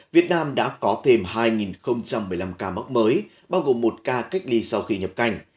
việt nam đã có thêm hai một mươi năm ca mắc mới bao gồm một ca cách ly sau khi nhập cảnh